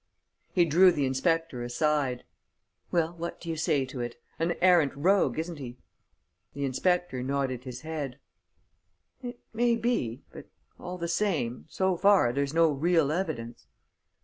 He drew the inspector aside: "Well, what do you say to it? An arrant rogue, isn't he?" The inspector nodded his head: "It may be.... But, all the same ... so far there's no real evidence."